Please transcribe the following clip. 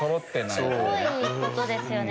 すごい事ですよね。